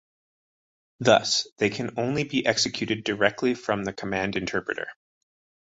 Thus, they can only be executed directly from the command interpreter.